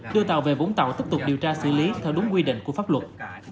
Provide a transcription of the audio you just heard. đưa tàu về vũng tàu tiếp tục điều tra xử lý theo đúng quy định của pháp luật